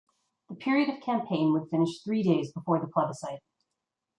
The period of campaign would finish three days before the plebiscite.